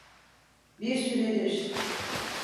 Bir süredir.